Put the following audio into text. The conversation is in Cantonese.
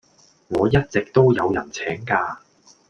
我一直都有請人架